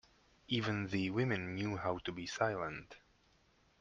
Even the women knew how to be silent.